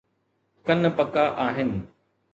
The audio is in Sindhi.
ڪن پڪا آهن.